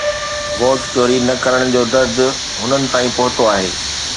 vote چوري نه ڪرڻ جو درد هنن تائين پهتو آهي